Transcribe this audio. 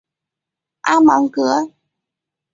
阿芒格。